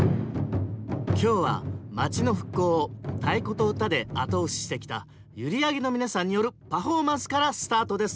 今日は街の復興を太鼓と唄で後押ししてきた閖上の皆さんによるパフォーマンスからスタートです！